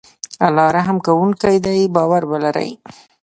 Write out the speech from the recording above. الله رحم کوونکی دی باور ولری